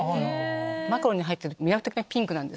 マカロンに入ってると魅惑的なピンクなんですね。